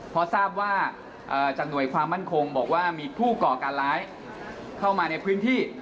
พอทราบว่าจากหน่วยความมั่นคงบอกว่ามีผู้ก่อการร้ายเข้ามาในพื้นที่